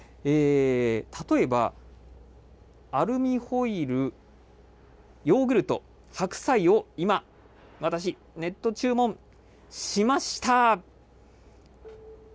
例えばアルミホイル、ヨーグルト、白菜を今、私、ネット注文しました。